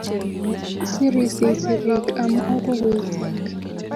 Serisiei serik, amu bukuisiek